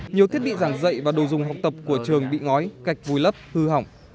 nhiều thiết bị giảng dạy và đồ dùng học tập của trường bị ngói cạch vùi lấp hư hỏng